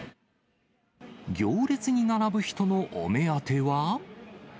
行列に並ぶ人のお目当ては。